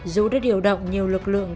dù đã điều động nhiều lực lượng